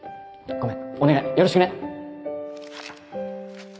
ごめんお願いよろしくね！